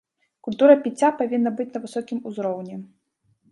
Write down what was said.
Культура піцця павінна быць на высокім узроўні.